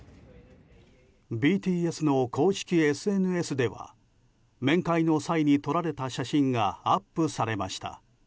ＢＴＳの公式ＳＮＳでは面会の際に撮られた写真がアップされました。